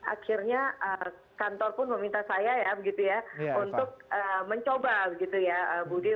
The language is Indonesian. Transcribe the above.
akhirnya kantor pun meminta saya ya begitu ya untuk mencoba begitu ya budi